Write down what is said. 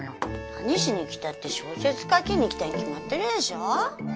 何しに来たって小説書きに来たに決まってるでしょ。